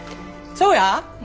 そうや。